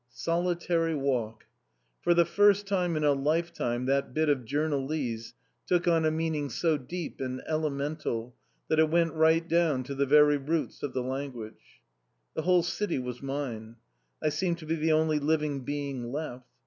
"Solitary walk!" For the first time in a lifetime that bit of journalese took on a meaning so deep and elemental, that it went right down to the very roots of the language. The whole city was mine. I seemed to be the only living being left.